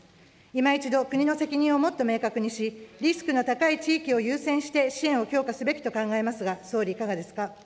いま一度、国の責任をもっと明確にし、リスクの高い地域を優先して支援を強化すべきと考えますが、総理、いかがですか。